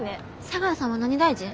茶川さんは何大臣？